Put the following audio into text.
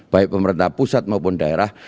baik pemerintah pusat maupun daerah